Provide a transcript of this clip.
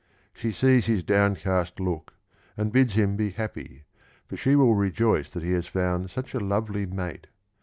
She sees his downcast look, and bids him be happy, for she will rejoice that he has found such a lovely mate.